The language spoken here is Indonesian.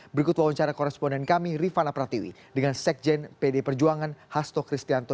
berikut wawancara koresponden kami rifana pratiwi dengan sekjen pd perjuangan hasto kristianto